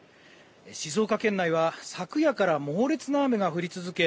静岡県内は昨夜から猛烈な雨が降り続け